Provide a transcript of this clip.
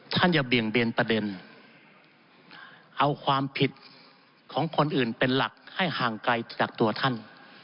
อย่าเบี่ยงเบียนประเด็นเอาความผิดของคนอื่นเป็นหลักให้ห่างไกลจากตัวท่าน